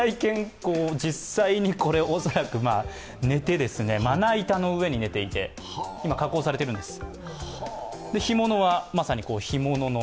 実際に、恐らくまな板の上に寝ていて今、加工されているんです。